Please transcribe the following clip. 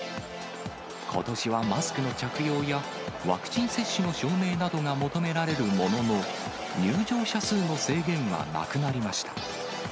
ことしはマスクの着用や、ワクチン接種の証明などが求められるものの、入場者数の制限はなくなりました。